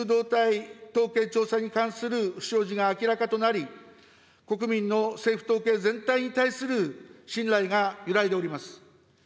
動態統計調査に関する不祥事が明らかとなり、国民の政府統計全体に対する信頼が揺らいでおります。